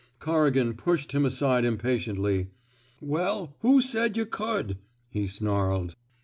Corrigan pushed him aside impatiently. " Well, who said yuh cud! " he snarled.